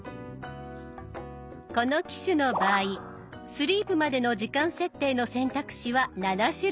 この機種の場合スリープまでの時間設定の選択肢は７種類。